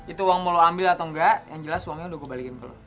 itu uang mau lo ambil atau enggak yang jelas uangnya udah gue balikin ke lo